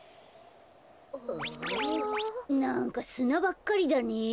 なんかすなばっかりだねえ。